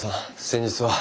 先日は。